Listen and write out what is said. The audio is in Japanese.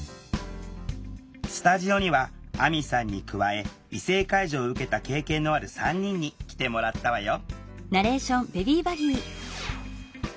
スタジオにはあみさんに加え異性介助を受けた経験のある３人に来てもらったわよ